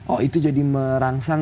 oh itu jadi merangsang